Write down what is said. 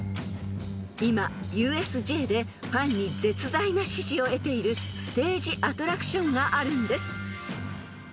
［今ＵＳＪでファンに絶大な支持を得ているステージアトラクションがあるんです］